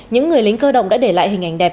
những người lính cơ động đã để lại hình ảnh đẹp